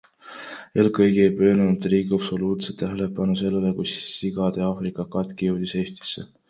Eelkõige ei pööranud riik absoluutselt tähelepanu sellele, kui sigade Aafrika katk jõudis Eestisse.